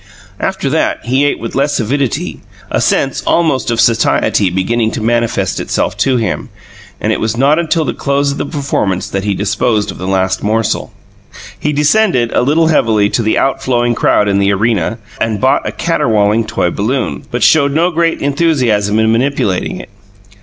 After that, he ate with less avidity; a sense almost of satiety beginning to manifest itself to him, and it was not until the close of the performance that he disposed of the last morsel. He descended a little heavily to the outflowing crowd in the arena, and bought a caterwauling toy balloon, but showed no great enthusiasm in manipulating it.